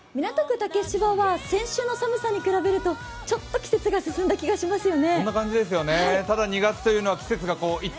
竹芝は先週の寒さに比べるとちょっと季節が進んだ気がしますよね。